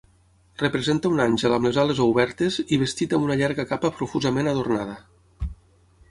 Representa un àngel amb les ales obertes i vestit amb una llarga capa profusament adornada.